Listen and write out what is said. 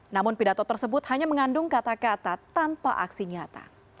namun pidato tersebut hanya mengandung kata kata tanpa aksi nyata